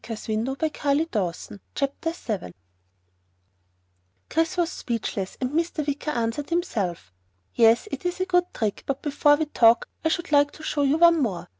asked Mr. Wicker smiling. CHAPTER 7 Chris was speechless, and Mr. Wicker answered himself. "Yes, it is a good trick, but before we talk, I should like to show you one more."